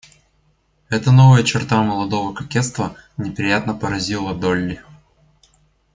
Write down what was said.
Эта новая черта молодого кокетства неприятно поразила Долли.